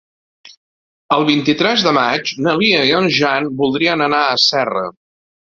El vint-i-tres de maig na Lia i en Jan voldrien anar a Serra.